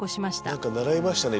何か習いましたね。